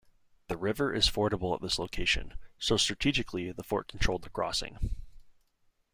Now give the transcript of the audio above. The river is fordable at this location, so strategically the fort controlled the crossing.